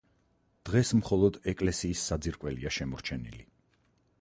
დღეს მხოლოდ ეკლესიის საძირკველია შემორჩენილი.